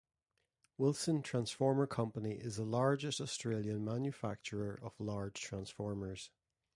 Wilson Transformer Company is the largest Australian manufacturer of large transformers.